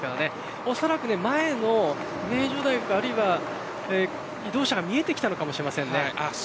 おそらく前の名城大学、あるいは移動車が見えてきたのかもしれません。